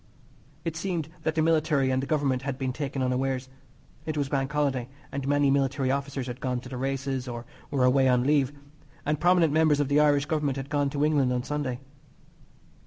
It seemed that the Military and the Government had been taken unawares. It was Bank Holiday, and many military officers had gone to the races, or were away on leave, and prominent members of the Irish Government had gone to England on Sunday.